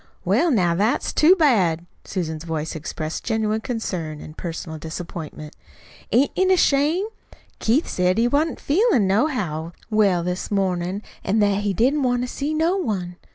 "Well, now, that's too bad!" Susan's voice expressed genuine concern and personal disappointment. "Ain't it a shame? Keith said he wa'n't feelin' nohow well this mornin', an' that he didn't want to see no one.